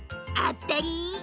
あったり！